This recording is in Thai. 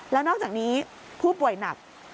แล้วนอกจากนี้ผู้ป่วยหนัก